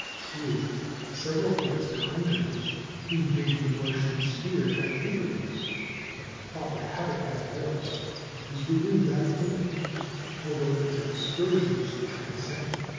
True, several of its congeners invade the Martian sphere at intervals; but the proper habitat of Eros is within that limit, although its excursions transcend it.